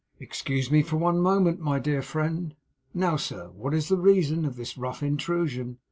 'Excuse me for one moment, my dear friend. Now, sir, what is the reason of this rough intrusion?